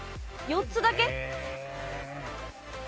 ４つだけ？